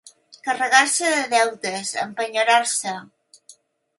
Carregar-se de deutes, empenyorar-se.